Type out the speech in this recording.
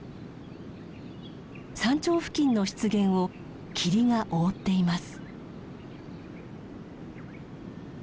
山頂付近の湿原を霧が覆っています。